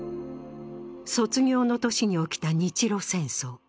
卒業の年に起きた日露戦争。